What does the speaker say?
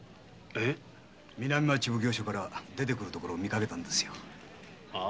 南町奉行所から出てくるところを見たんです。